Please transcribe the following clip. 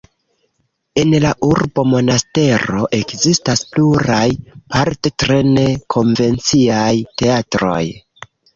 En la urbo Monastero ekzistas pluraj, parte tre ne-konvenciaj, teatroj.